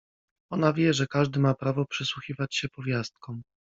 Ona wie, że każdy ma prawo przysłuchiwać się powiastkom.